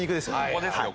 ここですよ